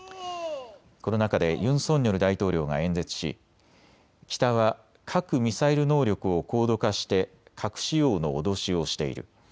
この中でユン・ソンニョル大統領が演説し北は核・ミサイル能力を高度化して核使用の脅しをしている。